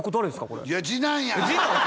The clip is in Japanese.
これいや次男や！